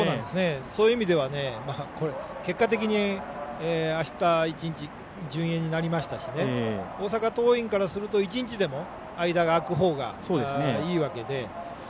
そういう意味では結果的にあした１日順延になりましたし大阪桐蔭からすると１日でも間が空くほうがいいわけで。